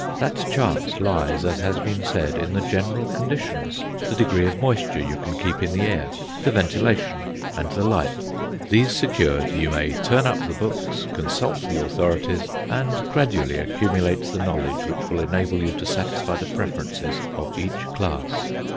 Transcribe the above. That chance lies, as has been said, in the general conditions the degree of moisture you can keep in the air, the ventilation, and the light. These secured, you may turn up the books, consult the authorities, and gradually accumulate the knowledge which will enable you to satisfy the preferences of each class.